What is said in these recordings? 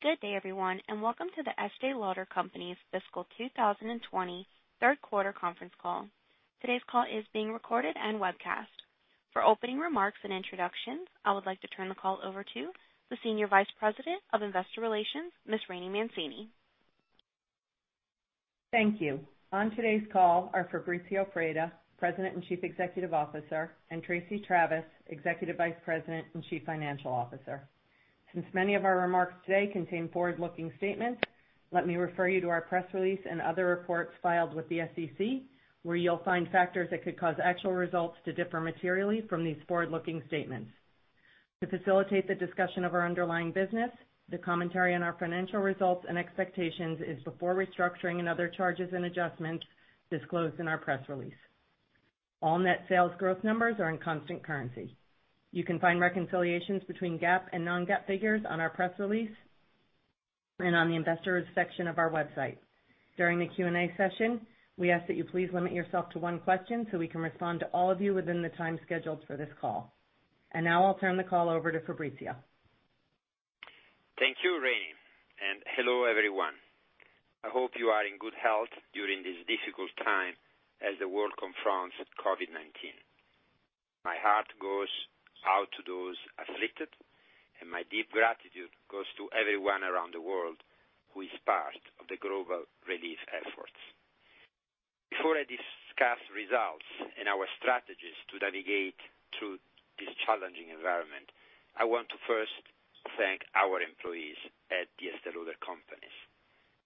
Good day, everyone, and welcome to The Estée Lauder Companies fiscal 2020 third quarter conference call. Today's call is being recorded and webcast. For opening remarks and introductions, I would like to turn the call over to the Senior Vice President of Investor Relations, Ms. Laraine Mancini. Thank you. On today's call are Fabrizio Freda, President and Chief Executive Officer, and Tracey Travis, Executive Vice President and Chief Financial Officer. Since many of our remarks today contain forward-looking statements, let me refer you to our press release and other reports filed with the SEC, where you'll find factors that could cause actual results to differ materially from these forward-looking statements. To facilitate the discussion of our underlying business, the commentary on our financial results and expectations is before restructuring and other charges and adjustments disclosed in our press release. All net sales growth numbers are in constant currency. You can find reconciliations between GAAP and non-GAAP figures on our press release and on the investors section of our website. During the Q&A session, we ask that you please limit yourself to one question so we can respond to all of you within the time scheduled for this call. Now I'll turn the call over to Fabrizio. Thank you, Rainey, and hello, everyone. I hope you are in good health during this difficult time as the world confronts COVID-19. My heart goes out to those afflicted, and my deep gratitude goes to everyone around the world who is part of the global relief efforts. Before I discuss results and our strategies to navigate through this challenging environment, I want to first thank our employees at The Estée Lauder Companies.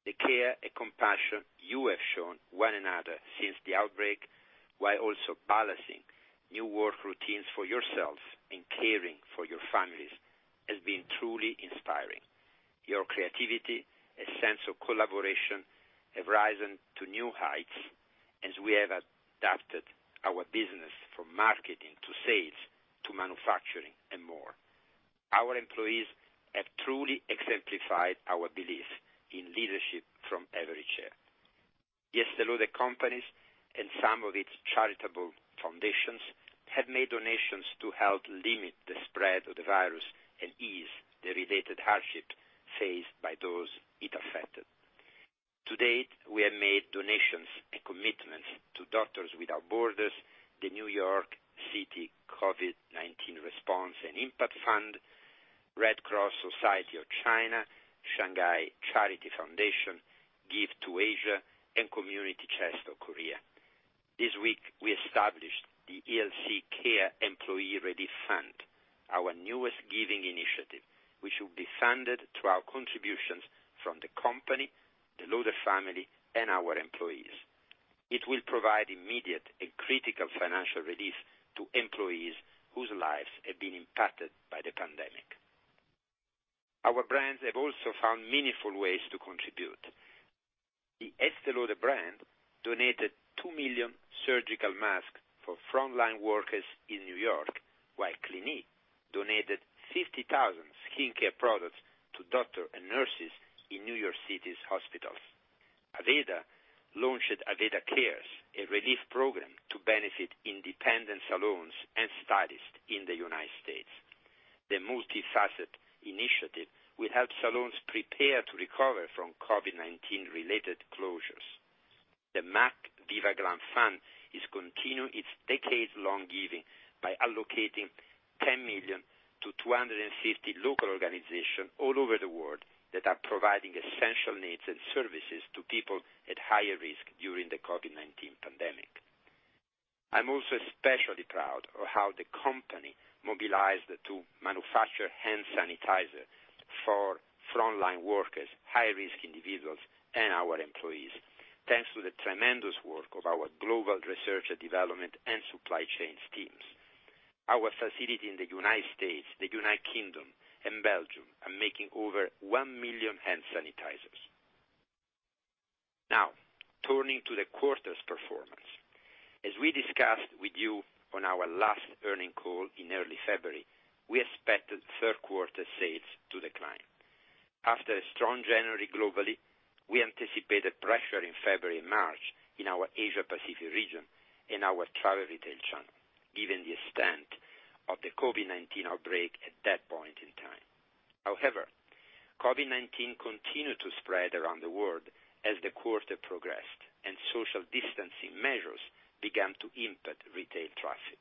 The care and compassion you have shown one another since the outbreak, while also balancing new work routines for yourselves and caring for your families, has been truly inspiring. Your creativity and sense of collaboration have risen to new heights as we have adapted our business from marketing to sales to manufacturing and more. Our employees have truly exemplified our beliefs in leadership from every chair. The Estée Lauder Companies and some of its charitable foundations have made donations to help limit the spread of the virus and ease the related hardship faced by those it affected. To date, we have made donations and commitments to Doctors Without Borders, the NYC COVID-19 Response & Impact Fund, Red Cross Society of China, Shanghai Charity Foundation, Give2Asia, and Community Chest of Korea. This week, we established the ELC Cares Employee Relief Fund, our newest giving initiative, which will be funded through our contributions from the company, the Lauder family, and our employees. It will provide immediate and critical financial relief to employees whose lives have been impacted by the pandemic. Our brands have also found meaningful ways to contribute. The Estée Lauder brand donated 2 million surgical masks for frontline workers in New York, while Clinique donated 50,000 skincare products to doctors and nurses in New York City's hospitals. Aveda launched Aveda Cares, a relief program to benefit independent salons and stylists in the United States. The multi-facet initiative will help salons prepare to recover from COVID-19 related closures. The MAC Viva Glam Fund is continuing its decades-long giving by allocating $10 million to 250 local organizations all over the world that are providing essential needs and services to people at higher risk during the COVID-19 pandemic. I'm also especially proud of how the company mobilized to manufacture hand sanitizer for frontline workers, high-risk individuals, and our employees, thanks to the tremendous work of our global research and development and supply chains teams. Our facility in the United States, the United Kingdom, and Belgium are making over 1 million hand sanitizers. Turning to the quarter's performance. As we discussed with you on our last earning call in early February, we expected third quarter sales to decline. After a strong January globally, we anticipated pressure in February and March in our Asia Pacific region and our travel retail channel, given the extent of the COVID-19 outbreak at that point in time. However, COVID-19 continued to spread around the world as the quarter progressed, and social distancing measures began to impact retail traffic.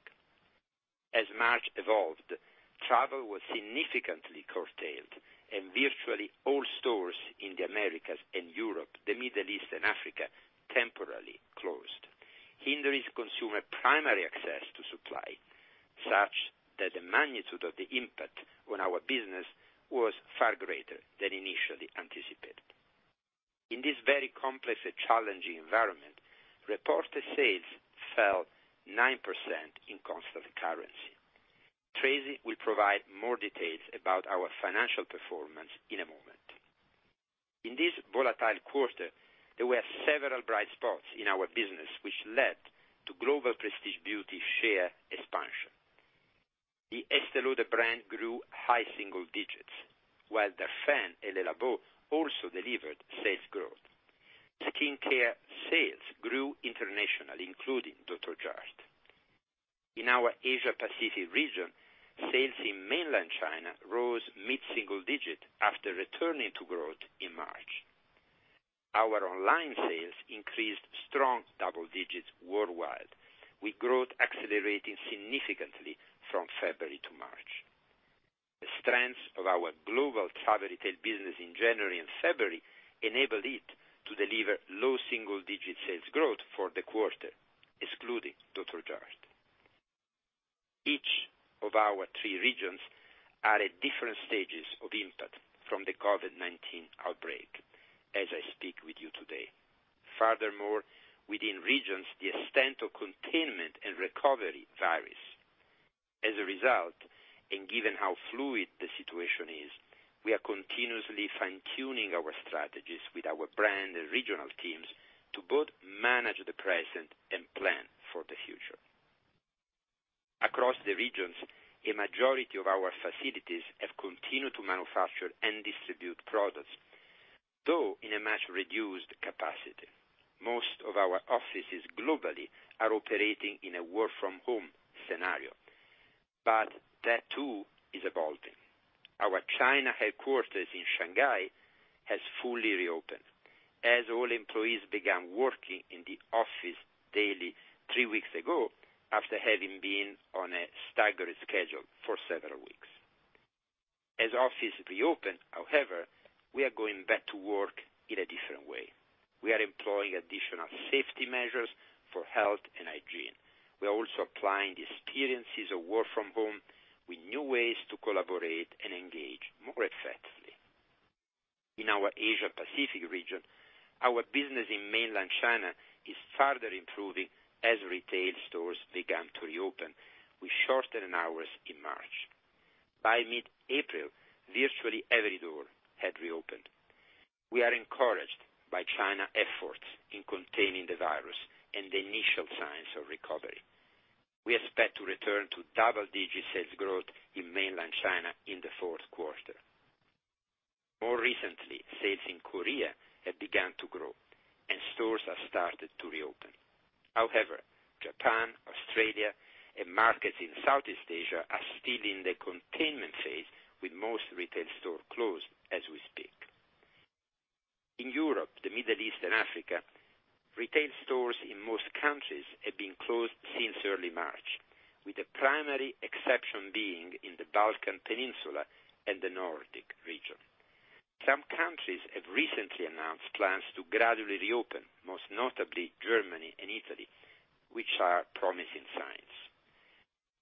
As March evolved, travel was significantly curtailed and virtually all stores in the Americas and Europe, the Middle East, and Africa temporarily closed, hindering consumer primary access to supply, such that the magnitude of the impact on our business was far greater than initially anticipated. In this very complex and challenging environment, reported sales fell 9% in constant currency. Tracey will provide more details about our financial performance in a moment. In this volatile quarter, there were several bright spots in our business which led to global prestige beauty share expansion. The Estée Lauder brand grew high single digits, while Darphin and Le Labo also delivered sales growth. Skincare sales grew internationally, including Dr.Jart+. In our Asia Pacific region, sales in Mainland China rose mid-single digit after returning to growth in March. Our online sales increased strong double digits worldwide, with growth accelerating significantly from February to March. The strength of our global travel retail business in January and February enabled it to deliver low single-digit sales growth for the quarter, excluding Dr.Jart+. Each of our three regions are at different stages of impact from the COVID-19 outbreak as I speak with you today. Furthermore, within regions, the extent of containment and recovery varies. As a result, and given how fluid the situation is, we are continuously fine-tuning our strategies with our brand and regional teams to both manage the present and plan for the future. Across the regions, a majority of our facilities have continued to manufacture and distribute products, though in a much-reduced capacity. Most of our offices globally are operating in a work-from-home scenario, but that too is evolving. Our China headquarters in Shanghai has fully reopened as all employees began working in the office daily three weeks ago after having been on a staggered schedule for several weeks. As offices reopen, however, we are going back to work in a different way. We are employing additional safety measures for health and hygiene. We are also applying the experiences of work from home with new ways to collaborate and engage more effectively. In our Asia Pacific region, our business in Mainland China is further improving as retail stores began to reopen with shortened hours in March. By mid-April, virtually every door had reopened. We are encouraged by China efforts in containing the virus and the initial signs of recovery. We expect to return to double-digit sales growth in Mainland China in the fourth quarter. More recently, sales in Korea have begun to grow, and stores have started to reopen. However, Japan, Australia, and markets in Southeast Asia are still in the containment phase, with most retail stores closed as we speak. In Europe, the Middle East, and Africa, retail stores in most countries have been closed since early March, with the primary exception being in the Balkan Peninsula and the Nordic region. Some countries have recently announced plans to gradually reopen, most notably Germany and Italy, which are promising signs.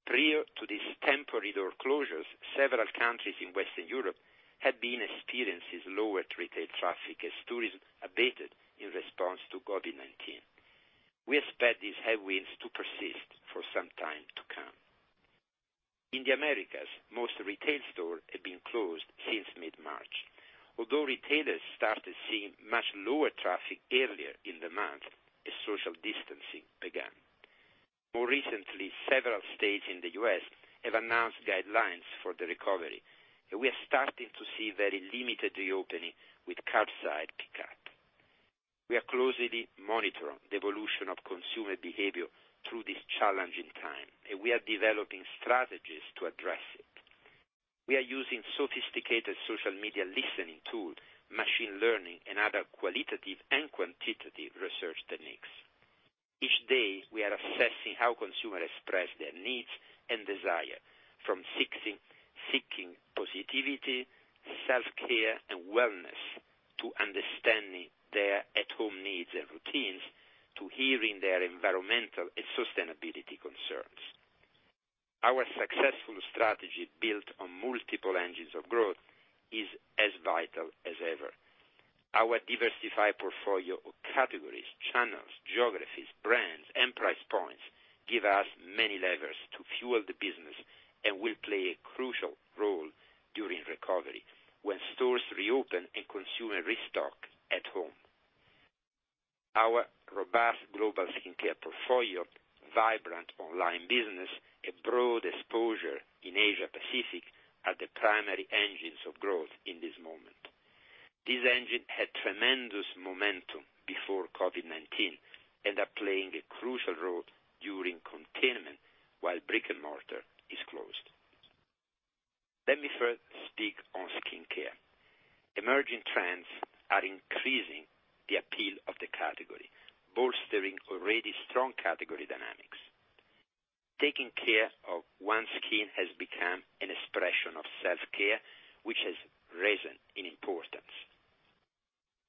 Prior to these temporary door closures, several countries in Western Europe had been experiencing lower retail traffic as tourism abated in response to COVID-19. We expect these headwinds to persist for some time to come. In the Americas, most retail stores have been closed since mid-March, although retailers started seeing much lower traffic earlier in the month as social distancing began. More recently, several states in the U.S. have announced guidelines for the recovery, and we are starting to see very limited reopening with curbside pickup. We are closely monitoring the evolution of consumer behavior through this challenging time, and we are developing strategies to address it. We are using sophisticated social media listening tools, machine learning, and other qualitative and quantitative research techniques. Each day, we are assessing how consumers express their needs and desire. From seeking positivity, self-care, and wellness, to understanding their at-home needs and routines, to hearing their environmental and sustainability concerns. Our successful strategy built on multiple engines of growth is as vital as ever. Our diversified portfolio of categories, channels, geographies, brands, and price points give us many levers to fuel the business and will play a crucial role during recovery when stores reopen and consumer restock at home. Our robust global skincare portfolio, vibrant online business, and broad exposure in Asia Pacific are the primary engines of growth in this moment. These engines had tremendous momentum before COVID-19 and are playing a crucial role during containment while brick and mortar is closed. Let me first speak on skincare. Emerging trends are increasing the appeal of the category, bolstering already strong category dynamics. Taking care of one's skin has become an expression of self-care, which has risen in importance.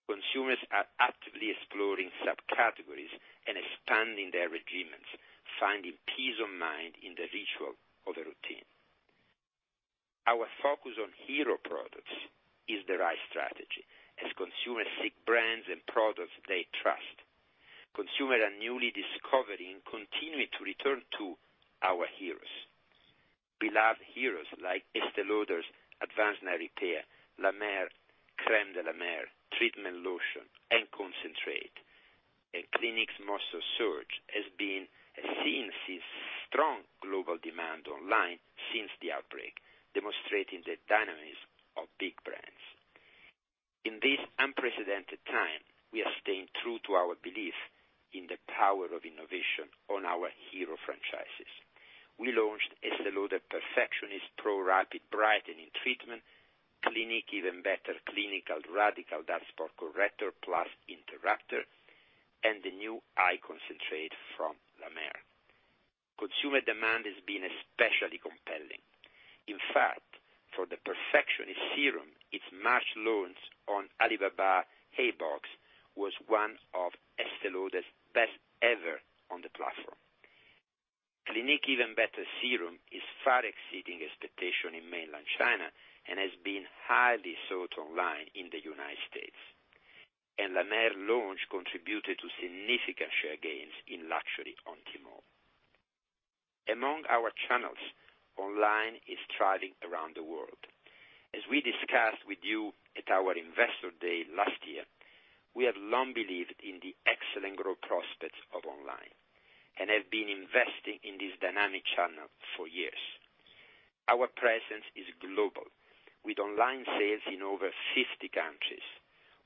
Consumers are actively exploring subcategories and expanding their regimens, finding peace of mind in the ritual of a routine. Our focus on hero products is the right strategy as consumers seek brands and products they trust. Consumers are newly discovering and continuing to return to our heroes. Beloved heroes like Estée Lauder's Advanced Night Repair, La Mer, Crème de la Mer, Treatment Lotion, and Concentrate. Clinique's Moisture Surge has been seen since strong global demand online since the outbreak, demonstrating the dynamics of big brands. In this unprecedented time, we are staying true to our belief in the power of innovation on our hero franchises. We launched Estée Lauder Perfectionist Pro Rapid Brightening Treatment, Clinique Even Better Clinical Radical Dark Spot Corrector + Interrupter, and the new eye concentrate from La Mer. Consumer demand has been especially compelling. In fact, for the Perfectionist serum, its March launch on Tmall Heybox was one of Estée Lauder's best ever on the platform. Clinique Even Better serum is far exceeding expectation in mainland China and has been highly sought online in the United States. La Mer launch contributed to significant share gains in luxury on Tmall. Among our channels, online is thriving around the world. As we discussed with you at our Investor Day last year, we have long believed in the excellent growth prospects of online and have been investing in this dynamic channel for years. Our presence is global, with online sales in over 50 countries.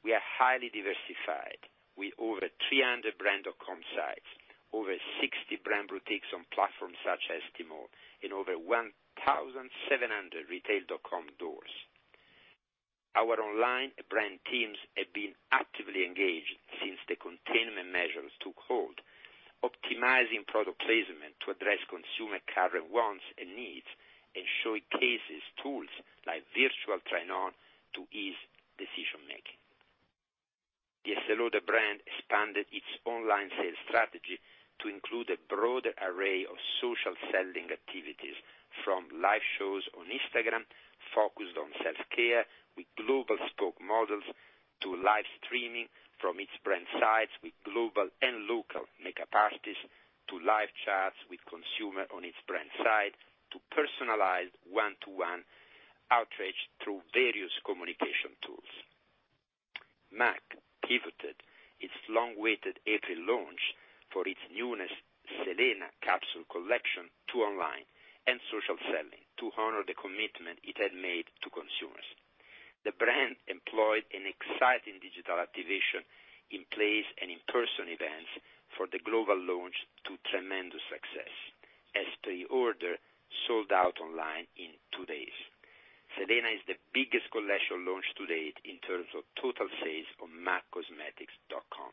We are highly diversified, with over 300 brand.com sites, over 60 brand boutiques on platforms such as Tmall, and over 1,700 retail.com doors. Our online brand teams have been actively engaged since the containment measures took hold, optimizing product placement to address consumer current wants and needs and showcases tools like virtual try-on to ease decision-making. The Estée Lauder brand expanded its online sales strategy to include a broader array of social selling activities, from live shows on Instagram focused on self-care with global spoke models to live streaming from its brand sites with global and local makeup artists to live chats with consumer on its brand site to personalized one-to-one outreach through various communication tools. MAC pivoted its long-awaited April launch for its newest Selena capsule collection to online and social selling to honor the commitment it had made to consumers. The brand employed an exciting digital activation in place and in-person events for the global launch to tremendous success as pre-order sold out online in two days. Selena is the biggest collection launch to date in terms of total sales on maccosmetics.com.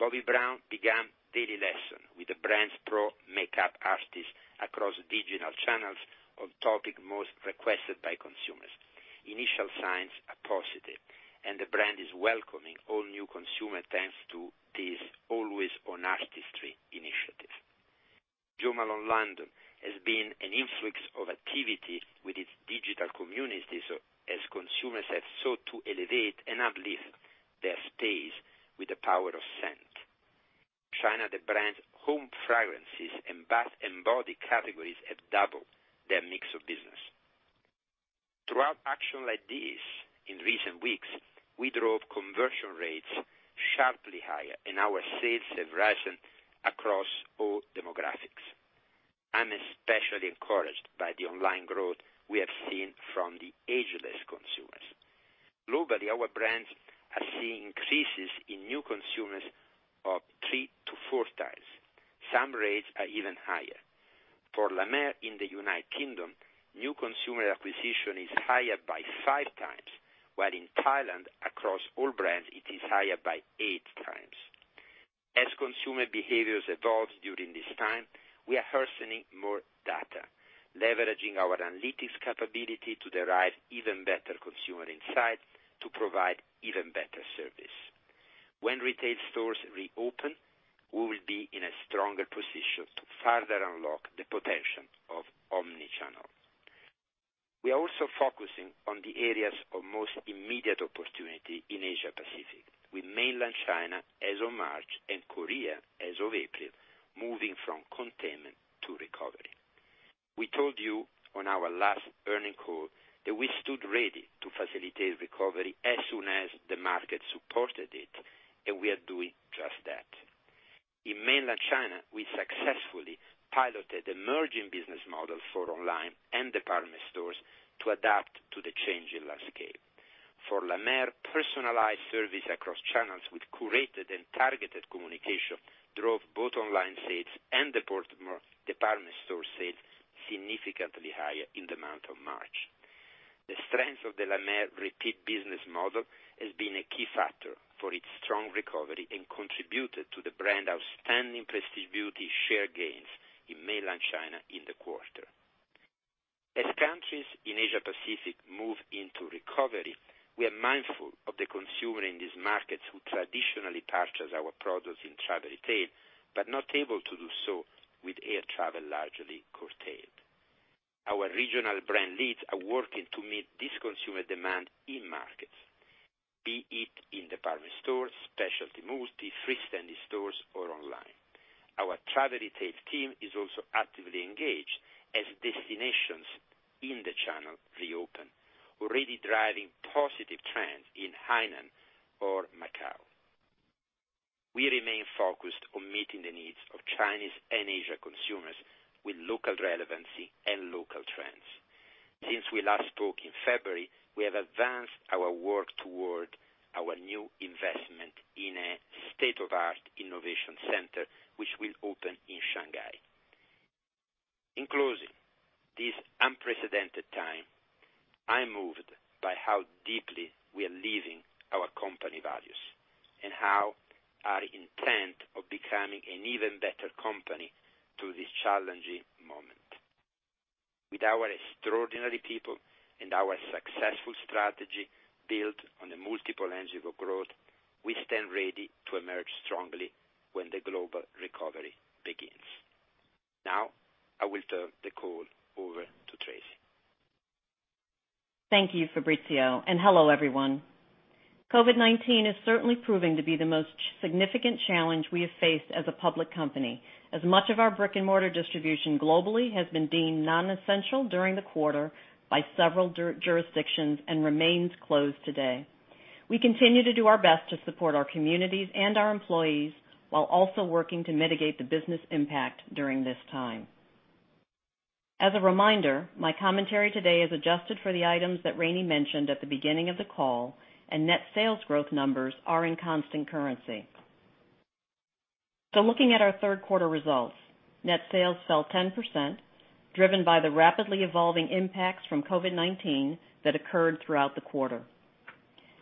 Bobbi Brown began Daily Lesson with the brand's pro makeup artists across digital channels on topic most requested by consumers. Initial signs are positive, and the brand is welcoming all-new consumer thanks to this always-on artistry initiative. Jo Malone London has seen an influx of activity with its digital community as consumers have sought to elevate and uplift their space with the power of scent. In China, the brand's home fragrances and bath and body categories have doubled their mix of business. Throughout action like this, in recent weeks, we drove conversion rates sharply higher, and our sales have risen across all demographics. I'm especially encouraged by the online growth we have seen from the ageless consumers. Globally, our brands are seeing increases in new consumers of 3x to 4x. Some rates are even higher. For La Mer in the U.K., new consumer acquisition is higher by five times, while in Thailand, across all brands, it is higher by 8x. As consumer behaviors evolved during this time, we are harnessing more data, leveraging our analytics capability to derive even better consumer insight to provide even better service. When retail stores reopen, we will be in a stronger position to further unlock the potential of omni-channel. We are also focusing on the areas of most immediate opportunity in Asia Pacific, with mainland China as of March and Korea as of April, moving from containment to recovery. We told you on our last earning call that we stood ready to facilitate recovery as soon as the market supported it. We are doing just that. In mainland China, we successfully piloted a merging business model for online and department stores to adapt to the changing landscape. For La Mer, personalized service across channels with curated and targeted communication drove both online sales and department store sales significantly higher in the month of March. The strength of the La Mer repeat business model has been a key factor for its strong recovery and contributed to the brand outstanding prestige beauty share gains in mainland China in the quarter. As countries in Asia Pacific move into recovery, we are mindful of the consumer in these markets who traditionally purchase our products in travel retail, but not able to do so with air travel largely curtailed. Our regional brand leads are working to meet this consumer demand in markets, be it in department stores, specialty multi, freestanding stores. Our travel retail team is also actively engaged as destinations in the channel reopen, already driving positive trends in Hainan or Macau. We remain focused on meeting the needs of Chinese and Asia consumers with local relevancy and local trends. Since we last spoke in February, we have advanced our work toward our new investment in a state-of-art innovation center, which will open in Shanghai. In closing, this unprecedented time, I am moved by how deeply we are living our company values, and how our intent of becoming an even better company through this challenging moment. With our extraordinary people and our successful strategy built on the multiple engine of growth, we stand ready to emerge strongly when the global recovery begins. Now, I will turn the call over to Tracey. Thank you, Fabrizio. Hello, everyone. COVID-19 is certainly proving to be the most significant challenge we have faced as a public company, as much of our brick-and-mortar distribution globally has been deemed non-essential during the quarter by several jurisdictions and remains closed today. We continue to do our best to support our communities and our employees while also working to mitigate the business impact during this time. As a reminder, my commentary today is adjusted for the items that Rainey mentioned at the beginning of the call. Net sales growth numbers are in constant currency. Looking at our third quarter results, net sales fell 10%, driven by the rapidly evolving impacts from COVID-19 that occurred throughout the quarter.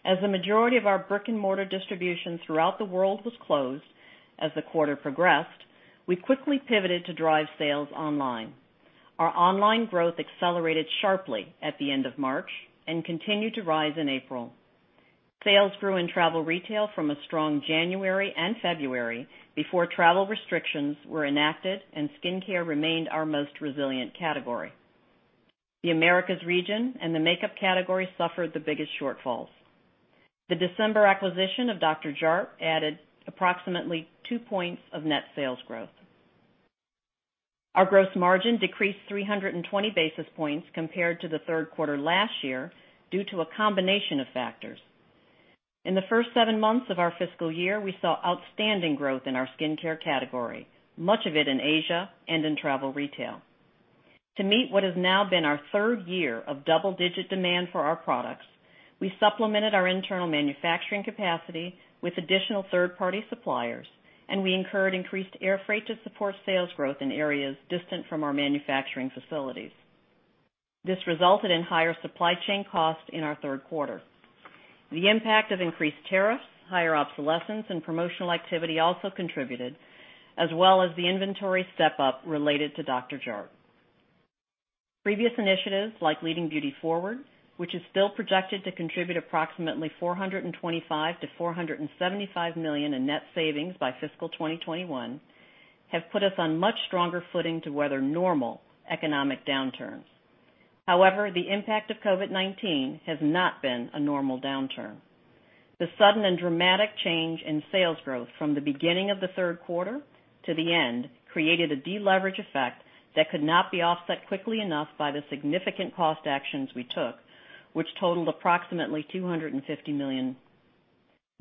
As the majority of our brick-and-mortar distribution throughout the world was closed as the quarter progressed, we quickly pivoted to drive sales online. Our online growth accelerated sharply at the end of March and continued to rise in April. Sales grew in travel retail from a strong January and February before travel restrictions were enacted, and skincare remained our most resilient category. The Americas region and the makeup category suffered the biggest shortfalls. The December acquisition of Dr.Jart+ added approximately 2 points of net sales growth. Our gross margin decreased 320 basis points compared to the third quarter last year due to a combination of factors. In the first seven months of our fiscal year, we saw outstanding growth in our skincare category, much of it in Asia and in travel retail. To meet what has now been our third year of double-digit demand for our products, we supplemented our internal manufacturing capacity with additional third-party suppliers, and we incurred increased air freight to support sales growth in areas distant from our manufacturing facilities. This resulted in higher supply chain costs in our third quarter. The impact of increased tariffs, higher obsolescence, and promotional activity also contributed, as well as the inventory step-up related to Dr.Jart+. Previous initiatives like Leading Beauty Forward, which is still projected to contribute approximately $425 million-$475 million in net savings by fiscal 2021, have put us on much stronger footing to weather normal economic downturns. However, the impact of COVID-19 has not been a normal downturn. The sudden and dramatic change in sales growth from the beginning of the third quarter to the end created a deleverage effect that could not be offset quickly enough by the significant cost actions we took, which totaled approximately $250 million.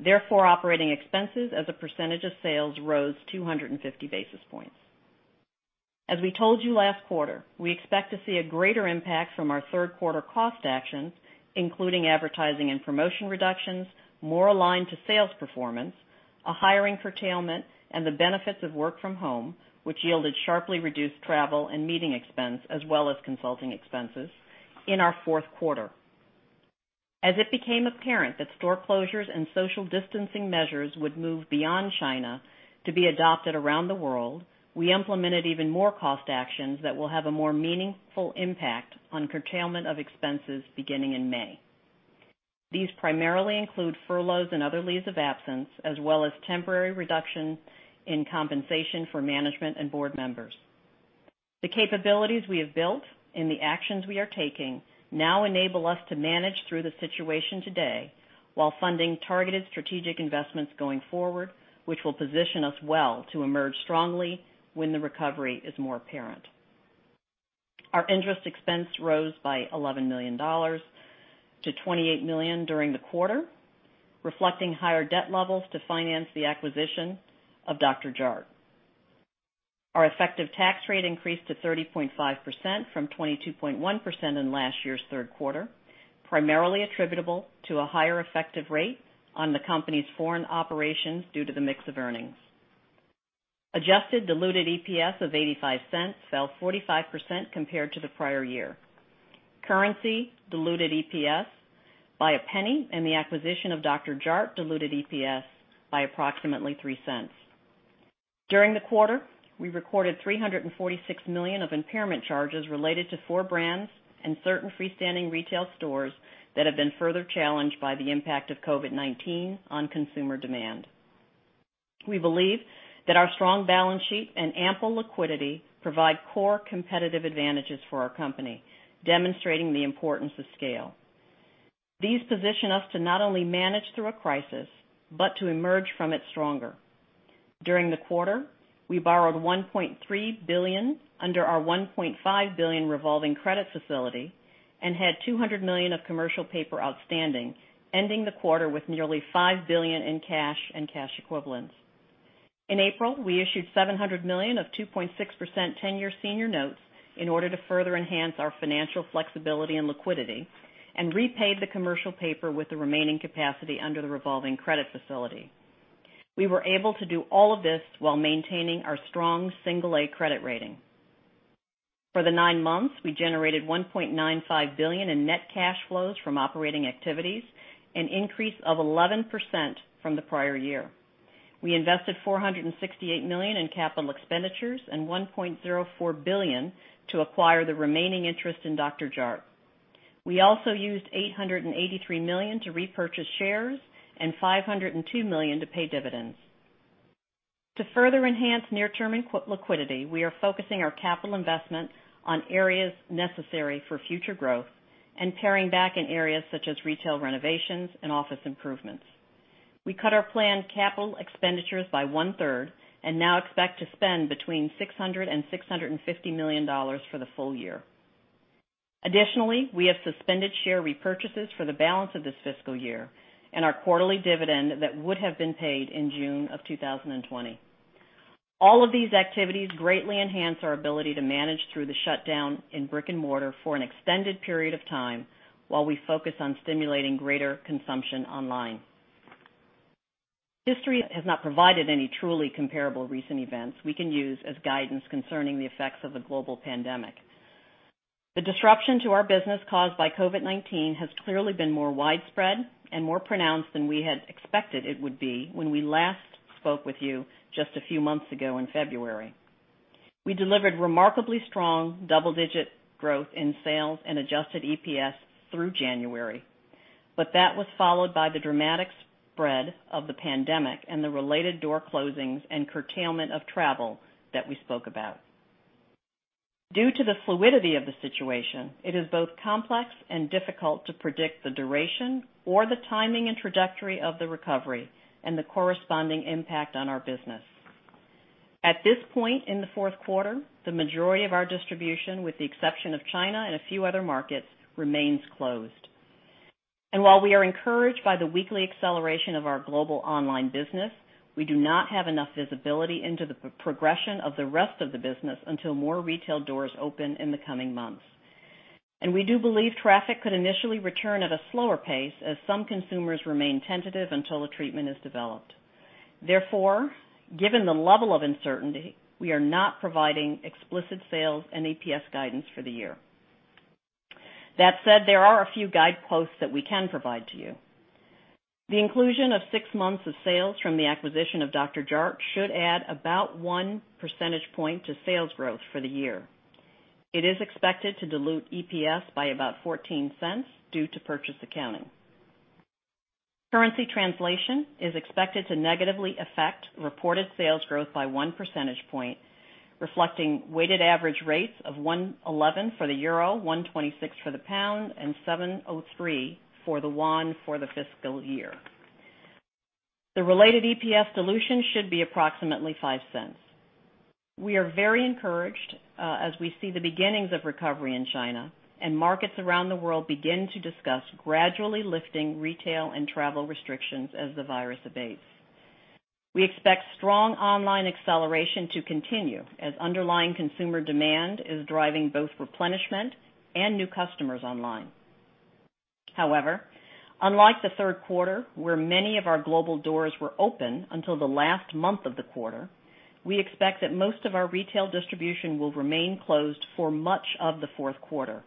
Therefore, operating expenses as a percentage of sales rose 250 basis points. As we told you last quarter, we expect to see a greater impact from our third quarter cost actions, including advertising and promotion reductions more aligned to sales performance, a hiring curtailment, and the benefits of work from home, which yielded sharply reduced travel and meeting expense as well as consulting expenses in our fourth quarter. As it became apparent that store closures and social distancing measures would move beyond China to be adopted around the world, we implemented even more cost actions that will have a more meaningful impact on curtailment of expenses beginning in May. These primarily include furloughs and other leaves of absence, as well as temporary reductions in compensation for management and board members. The capabilities we have built and the actions we are taking now enable us to manage through the situation today while funding targeted strategic investments going forward, which will position us well to emerge strongly when the recovery is more apparent. Our interest expense rose by $11 million to $28 million during the quarter, reflecting higher debt levels to finance the acquisition of Dr.Jart+. Our effective tax rate increased to 30.5% from 22.1% in last year's third quarter, primarily attributable to a higher effective rate on the company's foreign operations due to the mix of earnings. Adjusted diluted EPS of $0.85 fell 45% compared to the prior year. Currency diluted EPS by $0.01, and the acquisition of Dr.Jart+ diluted EPS by approximately $0.03. During the quarter, we recorded $346 million of impairment charges related to four brands and certain freestanding retail stores that have been further challenged by the impact of COVID-19 on consumer demand. We believe that our strong balance sheet and ample liquidity provide core competitive advantages for our company, demonstrating the importance of scale. These position us to not only manage through a crisis, but to emerge from it stronger. During the quarter, we borrowed $1.3 billion under our $1.5 billion revolving credit facility and had $200 million of commercial paper outstanding, ending the quarter with nearly $5 billion in cash and cash equivalents. In April, we issued $700 million of 2.6% 10-year senior notes in order to further enhance our financial flexibility and liquidity and repaid the commercial paper with the remaining capacity under the revolving credit facility. We were able to do all of this while maintaining our strong A1 credit rating. For the nine months, we generated $1.95 billion in net cash flows from operating activities, an increase of 11% from the prior year. We invested $468 million in capital expenditures and $1.04 billion to acquire the remaining interest in Dr.Jart+. We also used $883 million to repurchase shares and $502 million to pay dividends. To further enhance near-term liquidity, we are focusing our capital investment on areas necessary for future growth and paring back in areas such as retail renovations and office improvements. We cut our planned capital expenditures by one-third and now expect to spend between $600 million and $650 million for the full year. Additionally, we have suspended share repurchases for the balance of this fiscal year and our quarterly dividend that would have been paid in June of 2020. All of these activities greatly enhance our ability to manage through the shutdown in brick-and-mortar for an extended period of time while we focus on stimulating greater consumption online. History has not provided any truly comparable recent events we can use as guidance concerning the effects of the global pandemic. The disruption to our business caused by COVID-19 has clearly been more widespread and more pronounced than we had expected it would be when we last spoke with you just a few months ago in February. We delivered remarkably strong double-digit growth in sales and adjusted EPS through January. That was followed by the dramatic spread of the pandemic and the related door closings and curtailment of travel that we spoke about. Due to the fluidity of the situation, it is both complex and difficult to predict the duration or the timing and trajectory of the recovery and the corresponding impact on our business. At this point in the fourth quarter, the majority of our distribution, with the exception of China and a few other markets, remains closed. While we are encouraged by the weekly acceleration of our global online business, we do not have enough visibility into the progression of the rest of the business until more retail doors open in the coming months. We do believe traffic could initially return at a slower pace as some consumers remain tentative until a treatment is developed. Therefore, given the level of uncertainty, we are not providing explicit sales and EPS guidance for the year. That said, there are a few guideposts that we can provide to you. The inclusion of six months of sales from the acquisition of Dr.Jart+ should add about one percentage point to sales growth for the year. It is expected to dilute EPS by about $0.14 due to purchase accounting. Currency translation is expected to negatively affect reported sales growth by one percentage point, reflecting weighted average rates of 1.11 for the euro, 1.26 for the pound, and 703 for the won for the fiscal year. The related EPS dilution should be approximately $0.05. We are very encouraged as we see the beginnings of recovery in China and markets around the world begin to discuss gradually lifting retail and travel restrictions as the virus abates. We expect strong online acceleration to continue as underlying consumer demand is driving both replenishment and new customers online. However, unlike the third quarter, where many of our global doors were open until the last month of the quarter, we expect that most of our retail distribution will remain closed for much of the fourth quarter,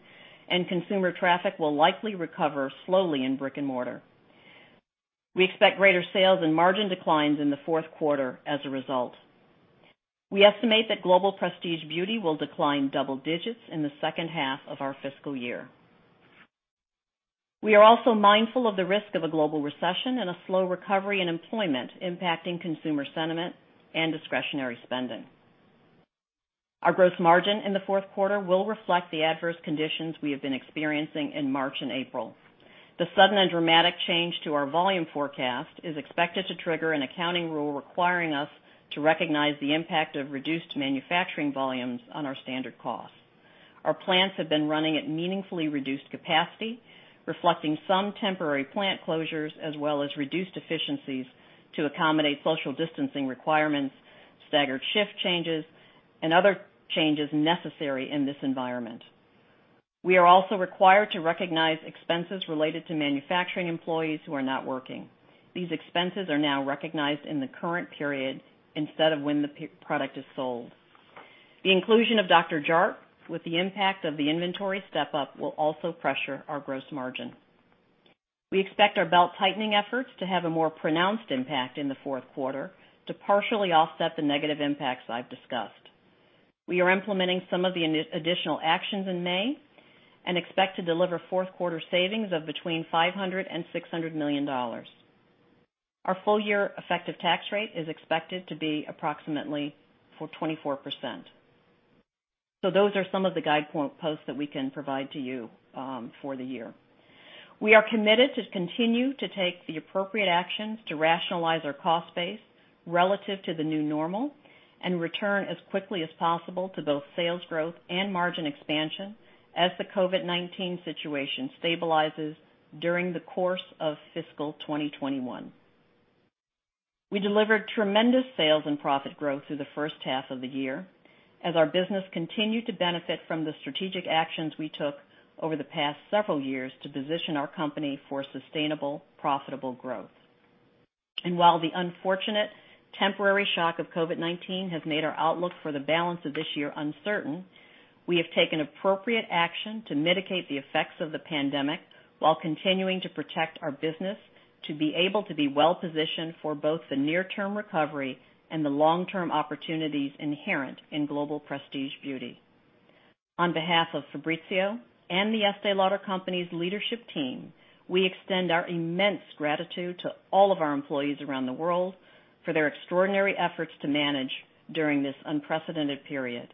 and consumer traffic will likely recover slowly in brick-and-mortar. We expect greater sales and margin declines in the fourth quarter as a result. We estimate that global prestige beauty will decline double digits in the second half of our fiscal year. We are also mindful of the risk of a global recession and a slow recovery in employment impacting consumer sentiment and discretionary spending. Our gross margin in the fourth quarter will reflect the adverse conditions we have been experiencing in March and April. The sudden and dramatic change to our volume forecast is expected to trigger an accounting rule requiring us to recognize the impact of reduced manufacturing volumes on our standard cost. Our plants have been running at meaningfully reduced capacity, reflecting some temporary plant closures, as well as reduced efficiencies to accommodate social distancing requirements, staggered shift changes, and other changes necessary in this environment. We are also required to recognize expenses related to manufacturing employees who are not working. These expenses are now recognized in the current period instead of when the product is sold. The inclusion of Dr.Jart+ with the impact of the inventory step-up will also pressure our gross margin. We expect our belt-tightening efforts to have a more pronounced impact in the fourth quarter to partially offset the negative impacts I've discussed. We are implementing some of the additional actions in May and expect to deliver fourth quarter savings of between $500 million-$600 million. Our full year effective tax rate is expected to be approximately 24%. Those are some of the guideposts that we can provide to you for the year. We are committed to continue to take the appropriate actions to rationalize our cost base relative to the new normal, and return as quickly as possible to both sales growth and margin expansion as the COVID-19 situation stabilizes during the course of fiscal 2021. We delivered tremendous sales and profit growth through the first half of the year as our business continued to benefit from the strategic actions we took over the past several years to position our company for sustainable, profitable growth. While the unfortunate temporary shock of COVID-19 has made our outlook for the balance of this year uncertain, we have taken appropriate action to mitigate the effects of the pandemic while continuing to protect our business to be able to be well-positioned for both the near-term recovery and the long-term opportunities inherent in global prestige beauty. On behalf of Fabrizio and The Estée Lauder Companies' leadership team, we extend our immense gratitude to all of our employees around the world for their extraordinary efforts to manage during this unprecedented period.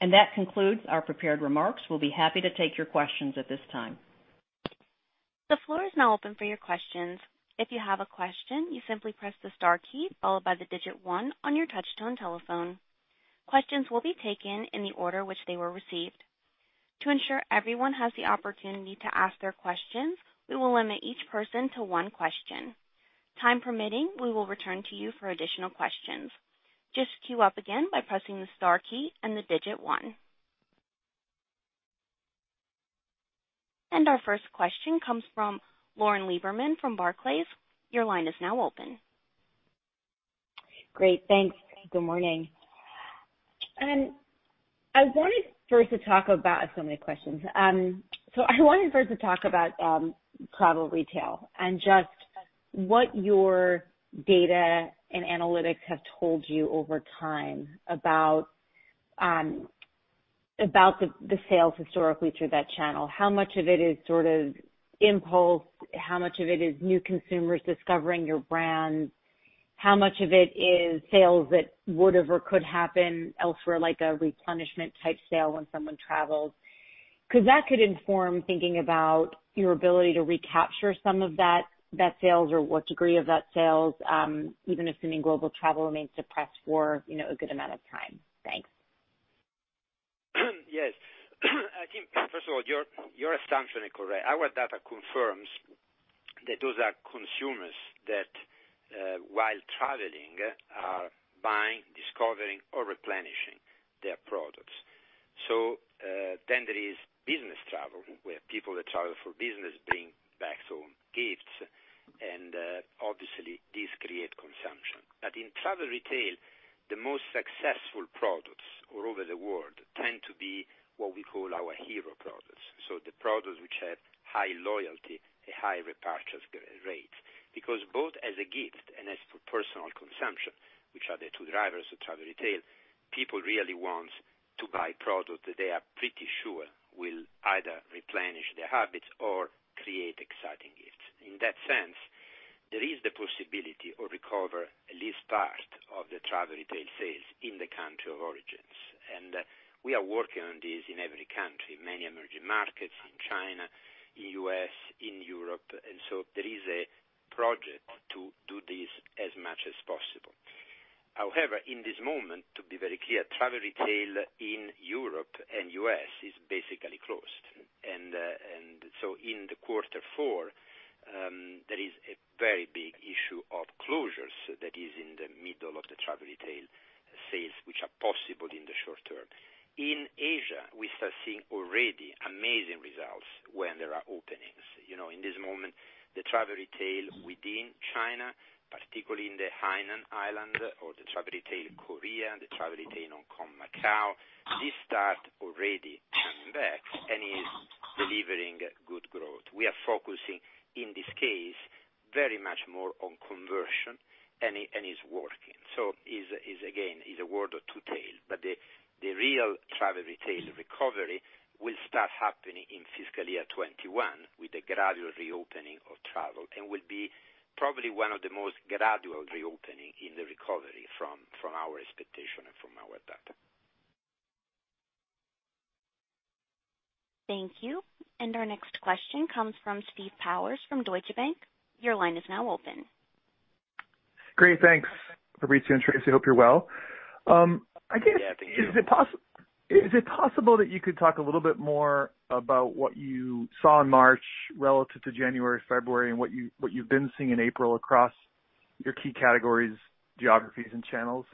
That concludes our prepared remarks. We'll be happy to take your questions at this time. The floor is now open for your questions. If you have a question, you simply press the star key followed by the digit one on your touch-tone telephone. Questions will be taken in the order which they were received. To ensure everyone has the opportunity to ask their questions, we will limit each person to one question. Time permitting, we will return to you for additional questions. Just queue up again by pressing the star key and the digit one. Our first question comes from Lauren Lieberman from Barclays. Your line is now open. Great, thanks. Good morning. I have so many questions. I wanted first to talk about travel retail, and just what your data and analytics have told you over time about the sales historically through that channel, how much of it is sort of impulse, how much of it is new consumers discovering your brands, how much of it is sales that would've or could happen elsewhere, like a replenishment type sale when someone travels. That could inform thinking about your ability to recapture some of that sales or what degree of that sales, even assuming global travel remains depressed for a good amount of time. Thanks. Yes. I think, first of all, your assumption is correct. Our data confirms that those are consumers that, while traveling, are buying, discovering, or replenishing their products. Then there is business travel, where people that travel for business bring back some gifts, and obviously these create consumption. In travel retail, the most successful products all over the world tend to be what we call our hero products. The products which have high loyalty, a high repurchase rate. Because both as a gift and as personal consumption, which are the two drivers of travel retail, people really want to buy product that they are pretty sure will either replenish their habits or create exciting gifts. In that sense, there is the possibility or recover at least part of the travel retail sales in the country of origins. We are working on this in every country, many emerging markets, in China, in U.S., in Europe, there is a project to do this as much as possible. However, in this moment, to be very clear, travel retail in Europe and U.S. is basically closed. In the quarter four, there is a very big issue of closures that is in the middle of the travel retail sales, which are possible in the short term. In Asia, we start seeing already amazing results when there are openings. In this moment, the travel retail within China, particularly in the Hainan Island, or the travel retail in Korea, and the travel retail in Hong Kong, Macau, this start already coming back and is delivering good growth. We are focusing, in this case, very much more on conversion, and it's working. It is again, a word to tail, but the real travel retail recovery will start happening in fiscal year 2021 with the gradual reopening of travel and will be probably one of the most gradual reopening in the recovery from our expectation and from our data. Thank you. Our next question comes from Steve Powers from Deutsche Bank. Your line is now open. Great, thanks. Fabrizio and Tracey, I hope you're well. Yeah, thank you. Is it possible that you could talk a little bit more about what you saw in March relative to January, February, and what you've been seeing in April across your key categories, geographies, and channels?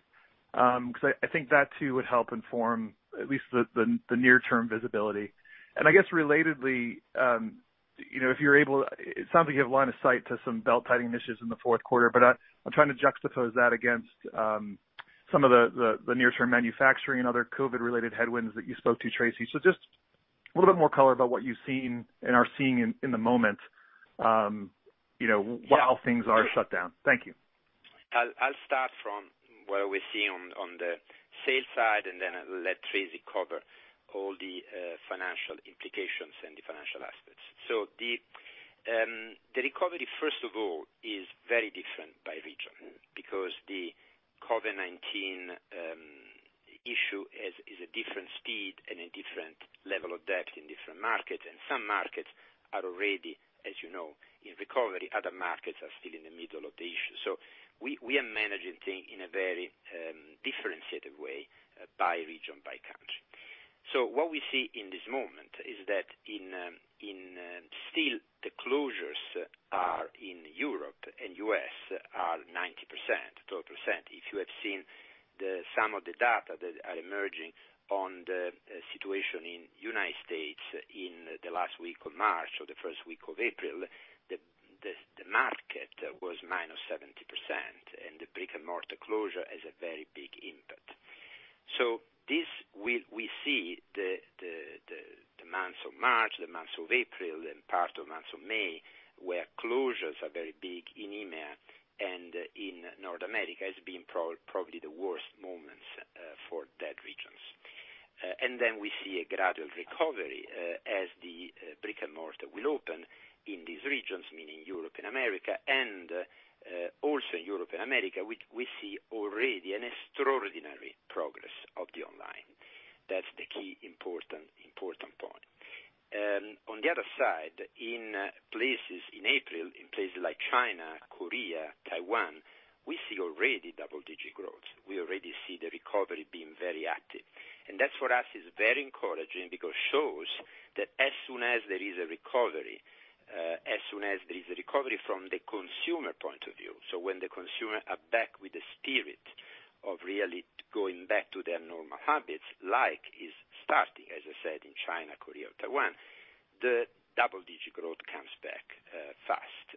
Because I think that too would help inform at least the near-term visibility. I guess relatedly, it sounds like you have line of sight to some belt-tightening initiatives in the fourth quarter, but I'm trying to juxtapose that against some of the near-term manufacturing and other COVID-19 related headwinds that you spoke to, Tracey. Just a little bit more color about what you've seen and are seeing in the moment, while things are shut down. Thank you. I'll start from where we see on the sales side, and then I'll let Tracey cover all the financial implications and the financial aspects. The recovery, first of all, is very different by region because the COVID-19 issue is a different speed and a different level of depth in different markets, and some markets are already, as you know, in recovery. Other markets are still in the middle of the issue. We are managing things in a very differentiated way by region, by country. What we see in this moment is that still the closures are in Europe and U.S. are 90%, total %. If you have seen some of the data that are emerging on the situation in United States in the last week of March or the first week of April, the market was -70%, and the brick and mortar closure has a very big impact. This, we see the months of March, the months of April, and part of months of May, where closures are very big in EMEA and in North America as being probably the worst moments for that regions. We see a gradual recovery, as the brick and mortar will open in these regions, meaning Europe and America, and also Europe and America, we see already an extraordinary progress of the online. That's the key important point. On the other side, in April, in places like China, Korea, Taiwan, we see already double-digit growth. We already see the recovery being very active. That, for us, is very encouraging because shows that as soon as there is a recovery, as soon as there is a recovery from the consumer point of view, when the consumer are back with the spirit of really going back to their normal habits, like is starting, as I said, in China, Korea, or Taiwan, the double-digit growth comes back fast.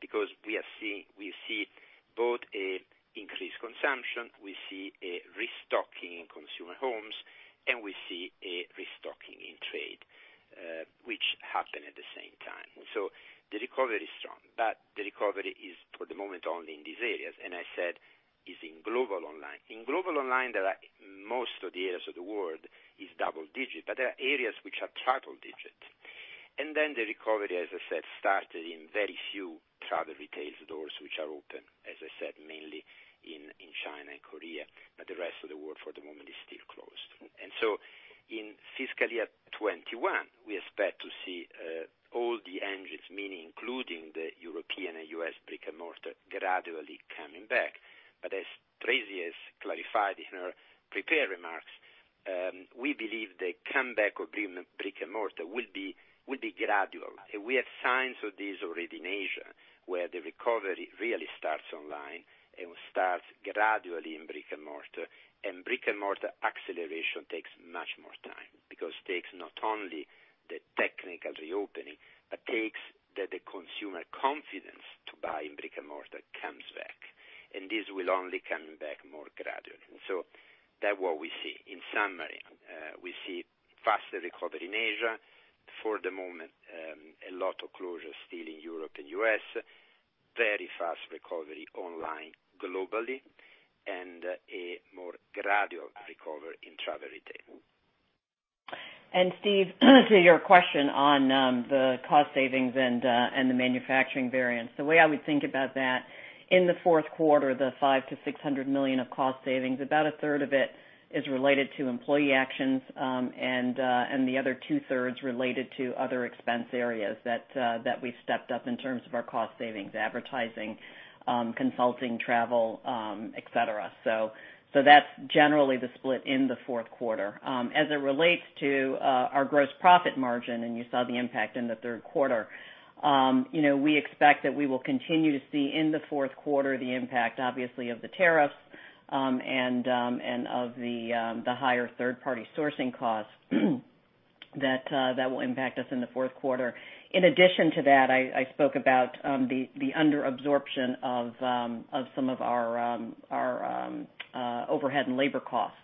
Because we see both an increased consumption, we see a restocking in consumer homes, and we see a restocking in trade, which happen at the same time. The recovery is strong, but the recovery is, for the moment, only in these areas, and I said is in global online. In global online, most of the areas of the world is double-digit, but there are areas which are triple-digit. The recovery, as I said, started in very few travel retail stores which are open, as I said, mainly in China and Korea. The rest of the world, for the moment, is still closed. In fiscal year 2021, we expect to see all the engines, meaning including the European and U.S. brick and mortar, gradually coming back. As Tracey has clarified in her prepared remarks, we believe the comeback of brick and mortar will be gradual. We have signs of this already in Asia, where the recovery really starts online and starts gradually in brick and mortar. Brick and mortar acceleration takes much more time because takes not only the technical reopening, but takes that the consumer confidence to buy in brick and mortar comes back, and this will only come back more gradually. That what we see. In summary, we see faster recovery in Asia. For the moment, a lot of closures still in Europe and U.S. Very fast recovery online globally, and a more gradual recovery in travel retail. Steve, to your question on the cost savings and the manufacturing variance. The way I would think about that, in the fourth quarter, the $500 million-$600 million of cost savings, about a third of it is related to employee actions, and the other two thirds related to other expense areas that we've stepped up in terms of our cost savings, advertising, consulting, travel, et cetera. That's generally the split in the fourth quarter. As it relates to our gross profit margin, and you saw the impact in the third quarter, we expect that we will continue to see in the fourth quarter the impact, obviously, of the tariffs, and of the higher third-party sourcing costs that will impact us in the fourth quarter. In addition to that, I spoke about the under-absorption of some of our overhead and labor costs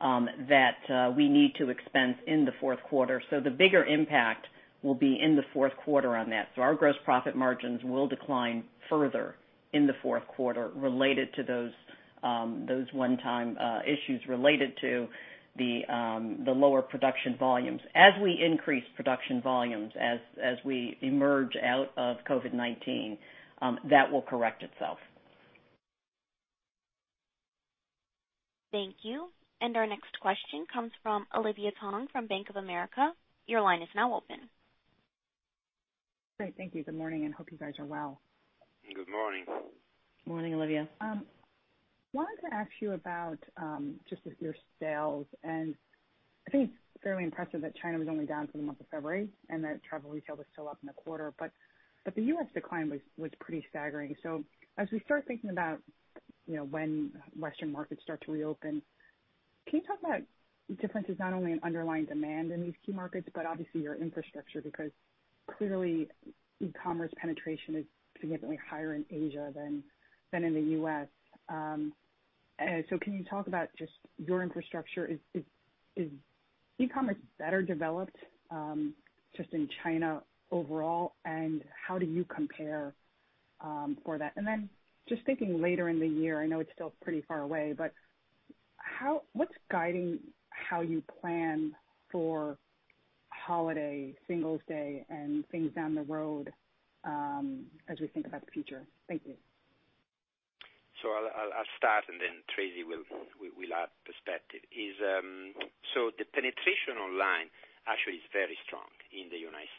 that we need to expense in the fourth quarter. The bigger impact will be in the fourth quarter on that. Our gross profit margins will decline further in the fourth quarter related to those one-time issues related to the lower production volumes. As we increase production volumes, as we emerge out of COVID-19, that will correct itself. Thank you. Our next question comes from Olivia Tong from Bank of America. Your line is now open. Great. Thank you. Good morning. Hope you guys are well. Good morning. Morning, Olivia. Wanted to ask you about just your sales. I think it's fairly impressive that China was only down for the month of February and that travel retail was still up in the quarter, but the U.S. decline was pretty staggering. As we start thinking about when Western markets start to reopen, can you talk about differences not only in underlying demand in these key markets, but obviously your infrastructure, because clearly, e-commerce penetration is significantly higher in Asia than in the U.S. Can you talk about just your infrastructure? Is e-commerce better developed just in China overall, and how do you compare for that. Then just thinking later in the year, I know it's still pretty far away, but what's guiding how you plan for holiday, Singles' Day, and things down the road as we think about the future? Thank you. I'll start, and then Tracey will add perspective. The penetration online actually is very strong in the U.S.,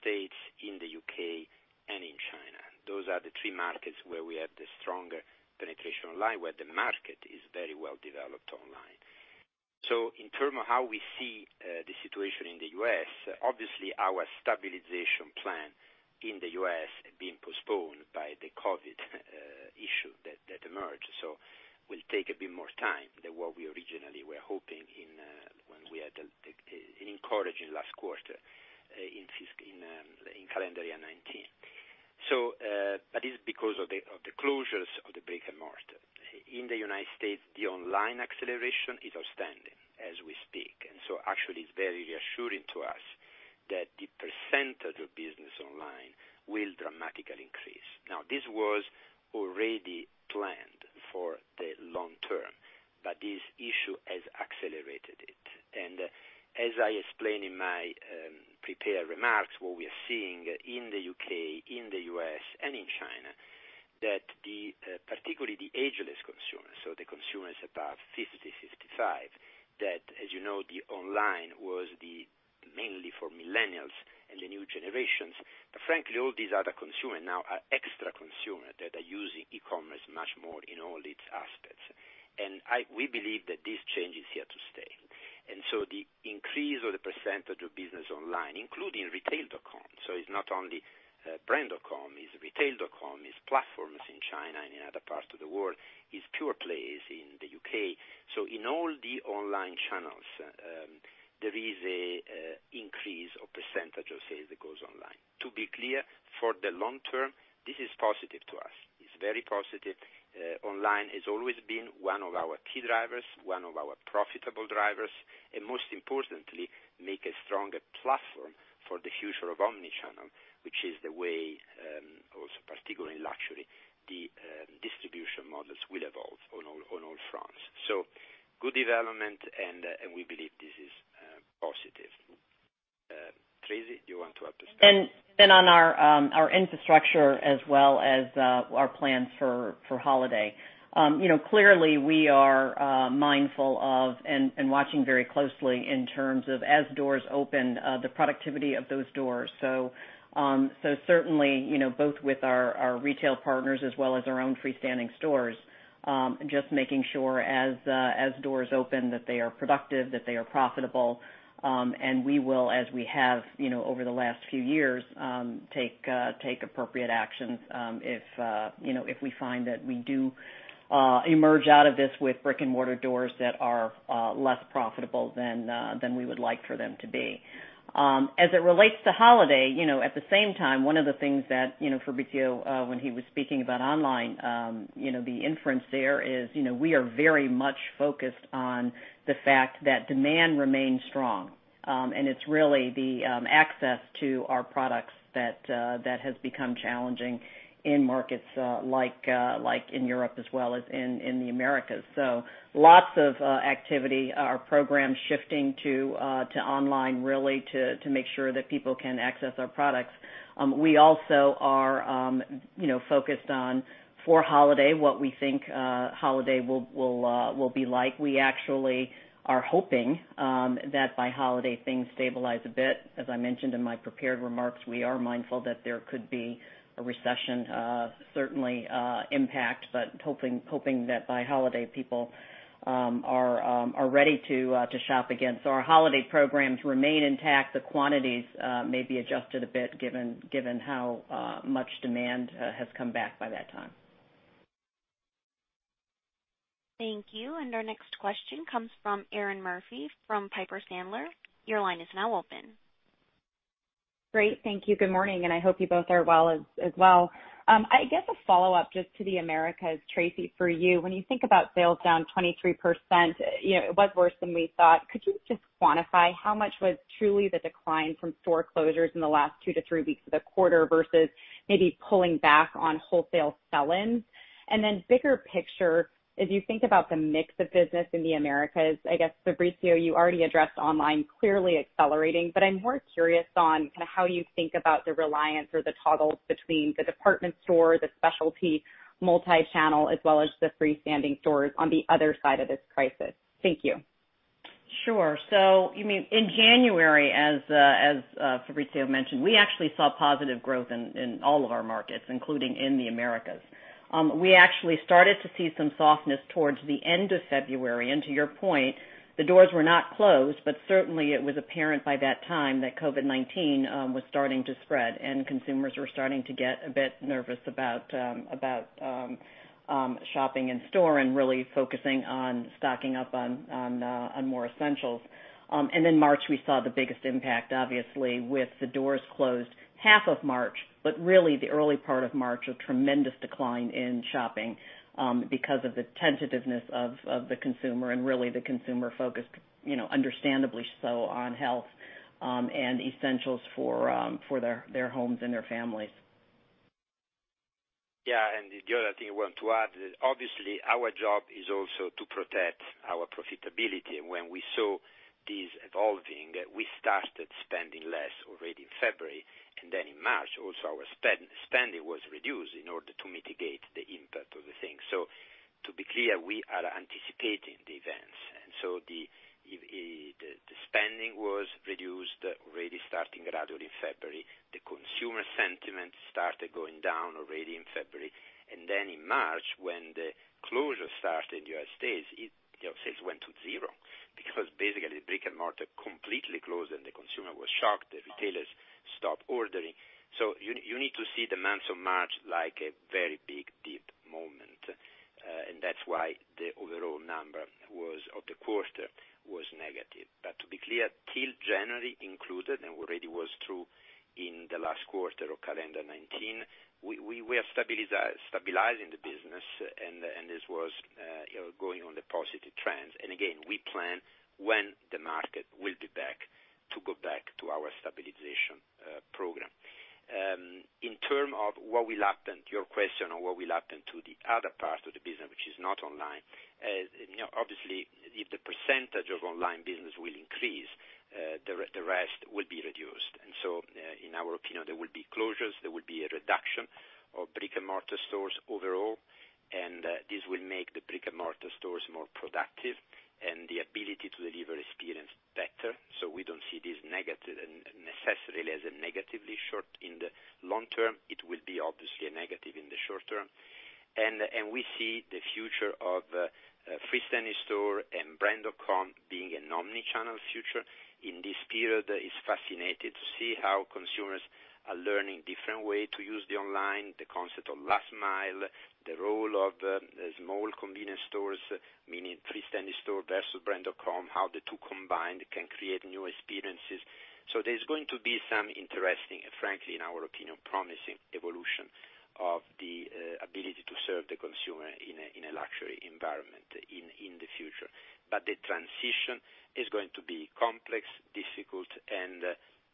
in the U.K., and in China. Those are the three markets where we have the stronger penetration online, where the market is very well developed online. In term of how we see the situation in the U.S., obviously, our stabilization plan in the U.S. being postponed by the COVID issue that emerged, so will take a bit more time than what we originally were hoping when we had encouraged in last quarter, in calendar year 2019. It is because of the closures of the brick and mortar. In the U.S., the online acceleration is outstanding as we speak. Actually, it's very reassuring to us that the percentage of business online will dramatically increase. Now, this was already planned for the long term, but this issue has accelerated it. As I explained in my prepared remarks, what we are seeing in the U.K., in the U.S., and in China, that particularly the ageless consumer, so the consumers above 50, 55, that, as you know, the online was mainly for millennials and the new generations. Frankly, all these other consumer now are extra consumer that are using e-commerce much more in all its aspects. We believe that this change is here to stay. The increase of the percentage of business online, including retail.com, so it's not only brand.com, it's retail.com, it's platforms in China and in other parts of the world, it's pure plays in the U.K. In all the online channels, there is an increase of percentage of sales that goes online. To be clear, for the long term, this is positive to us. It's very positive. Online has always been one of our key drivers, one of our profitable drivers, and most importantly, make a stronger platform for the future of omni-channel, which is the way, also particularly in luxury, the distribution models will evolve on all fronts. Good development, and we believe this is positive. Tracey, do you want to add to that? On our infrastructure as well as our plans for holiday. Clearly, we are mindful of and watching very closely in terms of as doors open, the productivity of those doors. Certainly, both with our retail partners as well as our own freestanding stores, just making sure as doors open, that they are productive, that they are profitable. We will, as we have over the last few years, take appropriate actions if we find that we do emerge out of this with brick-and-mortar doors that are less profitable than we would like for them to be. As it relates to holiday, at the same time, one of the things that for Fabrizio, when he was speaking about online, the inference there is we are very much focused on the fact that demand remains strong. It's really the access to our products that has become challenging in markets like in Europe as well as in the Americas. Lots of activity. Our program shifting to online, really to make sure that people can access our products. We also are focused on, for holiday, what we think holiday will be like. We actually are hoping that by holiday, things stabilize a bit. As I mentioned in my prepared remarks, we are mindful that there could be a recession, certainly impact, but hoping that by holiday, people are ready to shop again. Our holiday programs remain intact. The quantities may be adjusted a bit given how much demand has come back by that time. Thank you. Our next question comes from Erinn Murphy from Piper Sandler. Your line is now open. Great. Thank you. Good morning. I hope you both are well as well. I guess a follow-up just to the Americas, Tracey, for you. When you think about sales down 23%, it was worse than we thought. Could you just quantify how much was truly the decline from store closures in the last two to three weeks of the quarter versus maybe pulling back on wholesale sell-ins? Then bigger picture, as you think about the mix of business in the Americas, I guess, Fabrizio, you already addressed online clearly accelerating, but I'm more curious on how you think about the reliance or the toggles between the department store, the specialty multi-channel, as well as the freestanding stores on the other side of this crisis. Thank you. Sure. In January, as Fabrizio mentioned, we actually saw positive growth in all of our markets, including in the Americas. We actually started to see some softness towards the end of February. To your point, the doors were not closed, but certainly, it was apparent by that time that COVID-19 was starting to spread, and consumers were starting to get a bit nervous about shopping in store and really focusing on stocking up on more essentials. In March, we saw the biggest impact, obviously, with the doors closed half of March, but really the early part of March, a tremendous decline in shopping because of the tentativeness of the consumer and really the consumer focused understandably so on health and essentials for their homes and their families. Yeah. The other thing I want to add is, obviously, our job is also to protect our profitability. When we saw this evolving, we started spending less already in February, then in March, also our spending was reduced in order to mitigate the impact of the thing. To be clear, we are anticipating the events. The spending was reduced already starting gradually in February. The consumer sentiment started going down already in February. Then in March, when the closure started in the U.S., sales went to zero because basically, the brick-and-mortar completely closed and the consumer was shocked. The retailers stopped ordering. You need to see the month of March like a very big, deep moment. That's why the overall number of the quarter was negative. To be clear, till January included, and already was true in the last quarter of calendar 2019, we are stabilizing the business, and this was going on the positive trends. Again, we plan when the market will be back to go back to our stabilization program. In terms of what will happen to your question or what will happen to the other parts of the business, which is not online, obviously, if the percentage of online business will increase, the rest will be reduced. In our opinion, there will be closures, there will be a reduction of brick-and-mortar stores overall, and this will make the brick-and-mortar stores more productive, and the ability to deliver experience better. We don't see this necessarily as a negatively short in the long term. It will be obviously a negative in the short term. We see the future of freestanding store and brand.com being an omnichannel future. In this period, it's fascinating to see how consumers are learning different way to use the online, the concept of last mile, the role of small convenience stores, meaning freestanding store versus brand.com, how the two combined can create new experiences. There's going to be some interesting, frankly, in our opinion, promising evolution of the ability to serve the consumer in a luxury environment in the future. The transition is going to be complex, difficult, and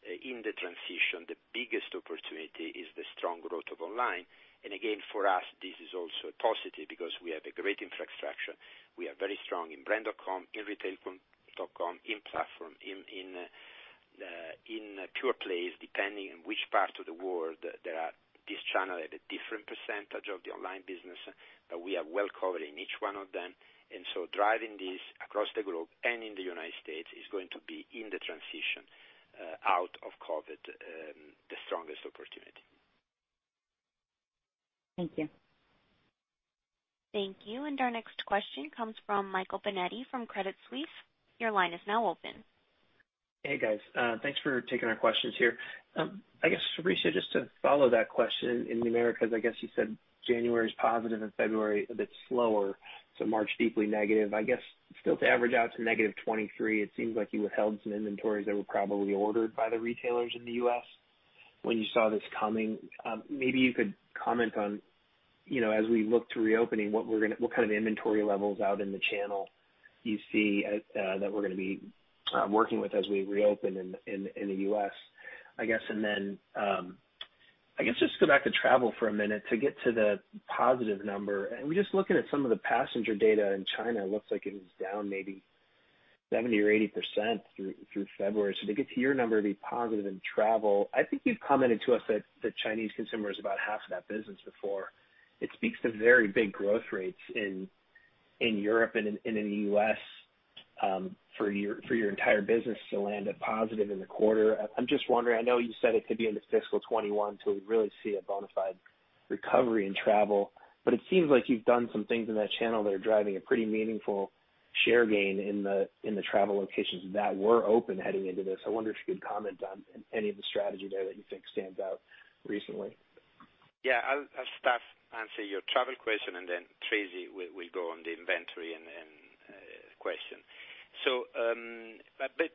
in the transition, the biggest opportunity is the strong growth of online. Again, for us, this is also a positive because we have a great infrastructure. We are very strong in brand.com, in retail.com, in platform, in pure plays, depending on which part of the world there are this channel at a different percentage of the online business, but we are well covered in each one of them. Driving this across the globe and in the United States is going to be in the transition out of COVID, the strongest opportunity. Thank you. Thank you. Our next question comes from Michael Binetti from Credit Suisse. Your line is now open. Hey, guys. Thanks for taking our questions here. I guess, Fabrizio, just to follow that question. In the Americas, I guess you said January is positive and February a bit slower, so March deeply negative. I guess, still to average out to negative 23%, it seems like you withheld some inventories that were probably ordered by the retailers in the U.S. when you saw this coming. Maybe you could comment on, as we look to reopening, what kind of inventory levels out in the channel you see that we're going to be working with as we reopen in the U.S., I guess. I guess just go back to travel for a minute to get to the positive number. We're just looking at some of the passenger data in China. It looks like it was down maybe 70% or 80% through February. To get to your number to be positive in travel, I think you have commented to us that Chinese consumer is about half of that business before. It speaks to very big growth rates in Europe and in the U.S. for your entire business to land at positive in the quarter. I am just wondering, I know you said it could be into fiscal 2021 till we really see a bona fide recovery in travel, but it seems like you have done some things in that channel that are driving a pretty meaningful share gain in the travel locations that were open heading into this. I wonder if you could comment on any of the strategy there that you think stands out recently. I'll start answer your travel question, and then Tracey will go on the inventory question.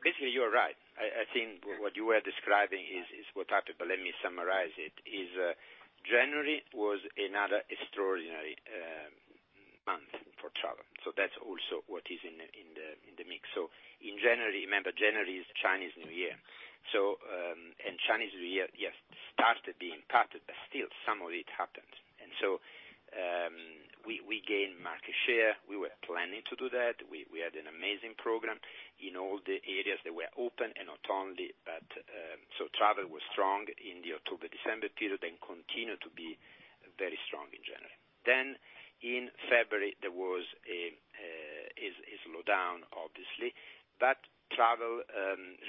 Basically, you are right. I think what you were describing is what happened, but let me summarize it, is January was another extraordinary month for travel. That's also what is in the mix. In January, remember, January is Chinese New Year. Chinese New Year, yes, started being impacted, but still some of it happened. We gained market share. We were planning to do that. We had an amazing program in all the areas that were open, and not only that. Travel was strong in the October-December period, and continued to be very strong in January. In February, there was a slow down, obviously, but travel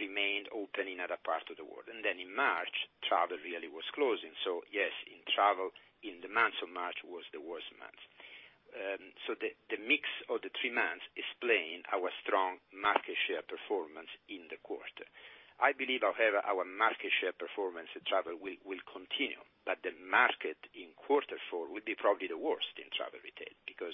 remained open in other parts of the world. In March, travel really was closing. Yes, in travel, in the month of March was the worst month. The mix of the three months explain our strong market share performance in the quarter. I believe, however, our market share performance in travel will continue, but the market in quarter four will be probably the worst in travel retail because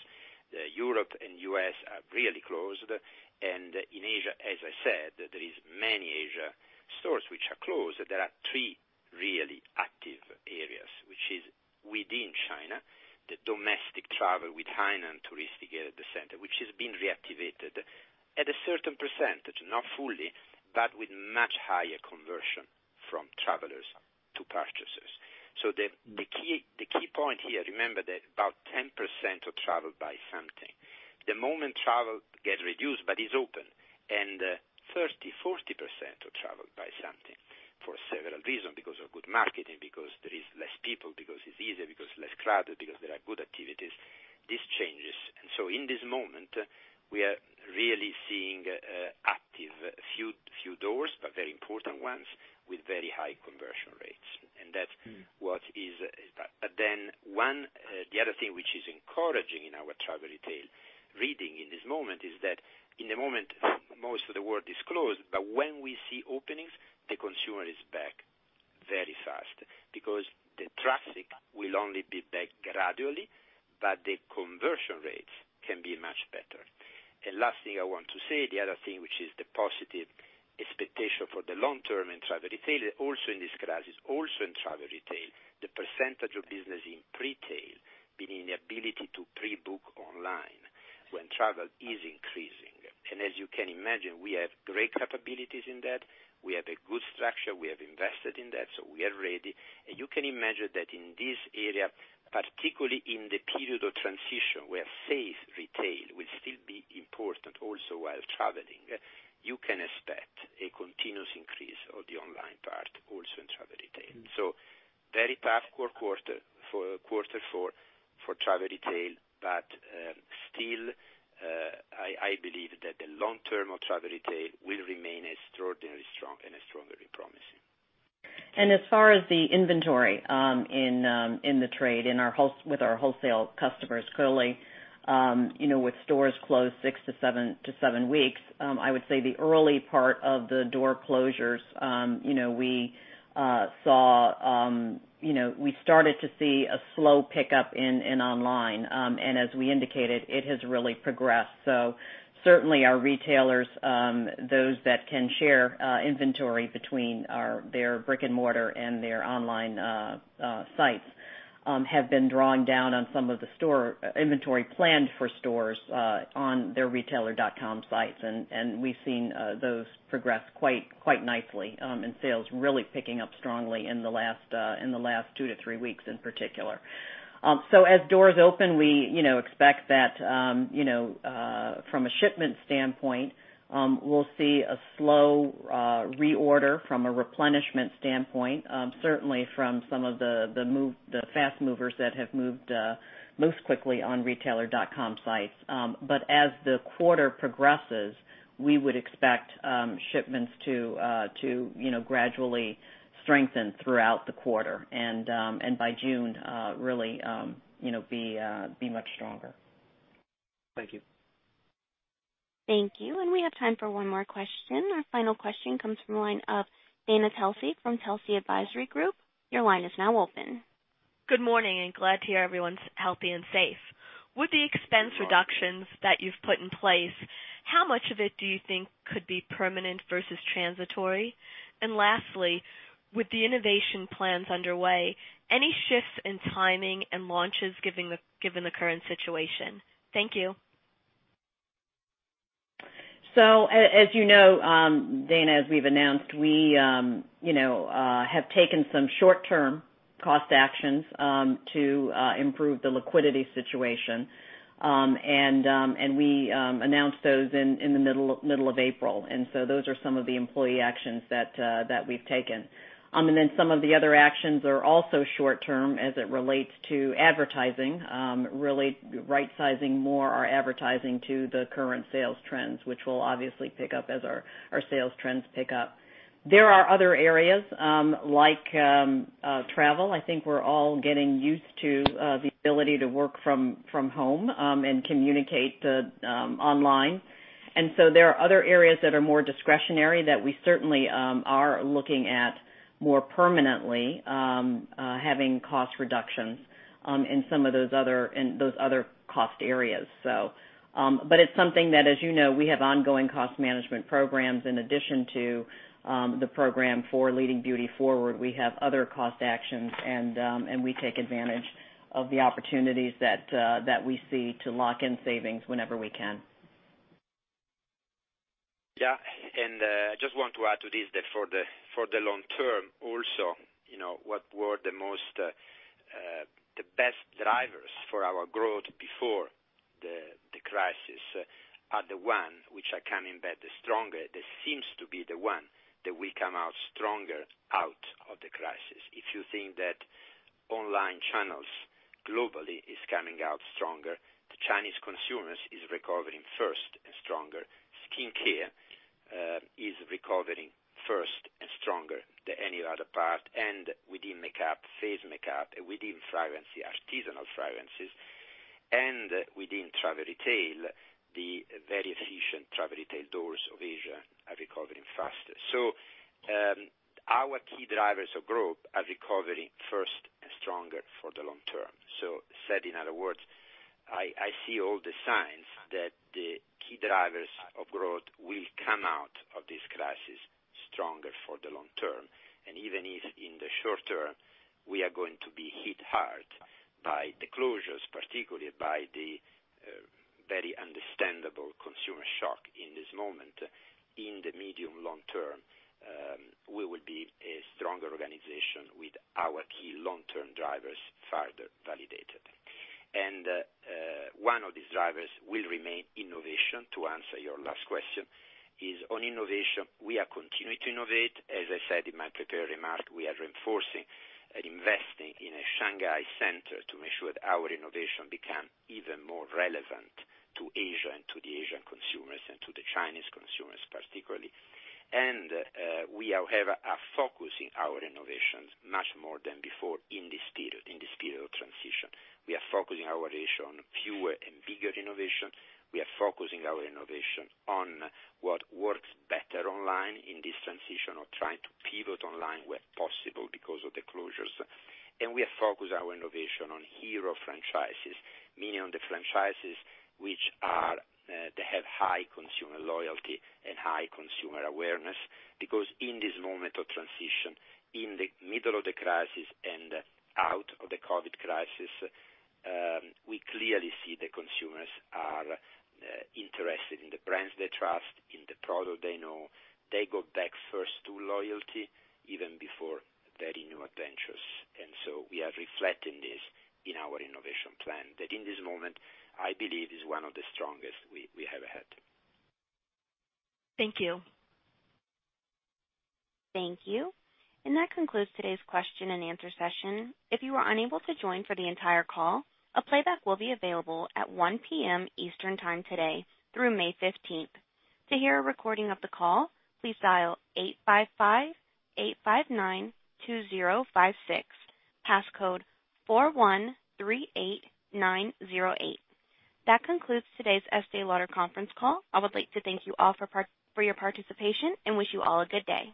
Europe and U.S. are really closed. In Asia, as I said, there is many Asia stores which are closed. There are three really active areas, which is within China. The domestic travel with Hainan tourist gate at the center, which has been reactivated at a certain percentage, not fully, but with much higher conversion from travelers to purchasers. The key point here, remember that about 10% of travel buy something. The moment travel gets reduced, but is open, and 30%, 40% of travel buy something for several reasons, because of good marketing, because there is less people, because it's easier, because less crowded, because there are good activities. This changes. In this moment, we are really seeing active few doors, but very important ones with very high conversion rates. The other thing which is encouraging in our travel retail Certainly our retailers, those that can share inventory between their brick and mortar and their online sites, have been drawing down on some of the inventory planned for stores on their retailer.com sites. We've seen those progress quite nicely, and sales really picking up strongly in the last two to three weeks in particular. As doors open, we expect that from a shipment standpoint, we'll see a slow reorder from a replenishment standpoint, certainly from some of the fast movers that have moved most quickly on retailer.com sites. As the quarter progresses, we would expect shipments to gradually strengthen throughout the quarter and by June really be much stronger. Thank you. Thank you. We have time for one more question. Our final question comes from the line of Dana Telsey from Telsey Advisory Group. Your line is now open. Good morning, glad to hear everyone's healthy and safe. With the expense reductions that you've put in place, how much of it do you think could be permanent versus transitory? Lastly, with the innovation plans underway, any shifts in timing and launches given the current situation? Thank you. As you know, Dana, as we've announced, we have taken some short-term cost actions to improve the liquidity situation. We announced those in the middle of April. Those are some of the employee actions that we've taken. Some of the other actions are also short-term as it relates to advertising, really right-sizing more our advertising to the current sales trends, which will obviously pick up as our sales trends pick up. There are other areas like travel. I think we're all getting used to the ability to work from home and communicate online. There are other areas that are more discretionary that we certainly are looking at more permanently having cost reductions in some of those other cost areas. It's something that, as you know, we have ongoing cost management programs in addition to the program for Leading Beauty Forward. We have other cost actions, and we take advantage of the opportunities that we see to lock in savings whenever we can. Yeah. I just want to add to this that for the long term also, what were the best drivers for our growth before the crisis are the one which are coming back the stronger. They seems to be the one that will come out stronger out of the crisis. If you think that online channels globally is coming out stronger, the Chinese consumers is recovering first and stronger. Skincare is recovering first and stronger than any other part. Within makeup, face makeup, within fragrancy, artisanal fragrancies, and within travel retail, the very efficient travel retail doors of Asia are recovering faster. Our key drivers of growth are recovering first and stronger for the long term. Said in other words. I see all the signs that the key drivers of growth will come out of this crisis stronger for the long term. Even if in the short term, we are going to be hit hard by the closures, particularly by the very understandable consumer shock in this moment. In the medium long term, we will be a stronger organization with our key long-term drivers further validated. One of these drivers will remain innovation, to answer your last question, we are continuing to innovate. As I said in my prepared remarks, we are reinforcing and investing in a Shanghai center to make sure that our innovation become even more relevant to Asia and to the Asian consumers and to the Chinese consumers particularly. We are focusing our innovations much more than before in this period of transition. We are focusing our innovation on fewer and bigger innovation. We are focusing our innovation on what works better online in this transition or trying to pivot online where possible because of the closures. We are focusing our innovation on hero franchises, meaning on the franchises. They have high consumer loyalty and high consumer awareness. In this moment of transition, in the middle of the crisis and out of the COVID-19 crisis, we clearly see the consumers are interested in the brands they trust, in the product they know. They go back first to loyalty even before very new adventures. We are reflecting this in our innovation plan that in this moment, I believe is one of the strongest we have had. Thank you. Thank you. That concludes today's question and answer session. If you were unable to join for the entire call, a playback will be available at 1:00 P.M. Eastern time today through May 15th. To hear a recording of the call, please dial 855-859-2056, passcode 4138908. That concludes today's Estée Lauder conference call. I would like to thank you all for your participation and wish you all a good day.